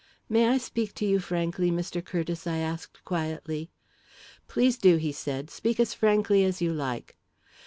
"May I speak to you frankly, Mr. Curtiss?" I asked quietly. "Please do," he said. "Speak as frankly as you like."